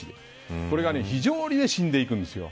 これが非常に死んでいくんですよ。